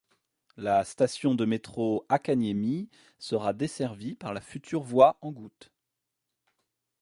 La station de métro Hakaniemi sera desservie par la future voie en goutte.